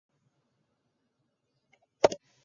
千葉県銚子市